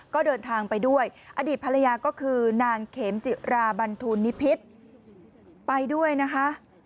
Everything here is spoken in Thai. ก็เดินทางไปด้วยอดีตภรรยาก็คือนางเขมจิราบันทูลนิพิษไปด้วยนะคะ